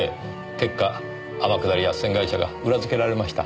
結果天下り斡旋会社が裏付けられました。